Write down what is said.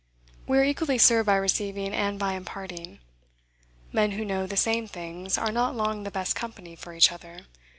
We are equally served by receiving and by imparting. Men who know the same things, are not long the best company for each other.